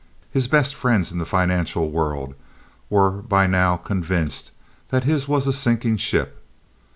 His best friends in the financial world were by now convinced that his was a sinking ship.